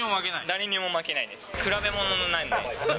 誰にも負けないです。